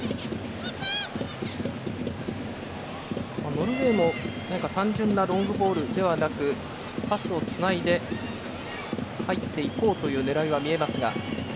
ノルウェーも単純なロングボールではなくパスをつないで入っていこうという狙いは見えます。